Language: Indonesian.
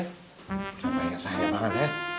banyak lah ya bangat ya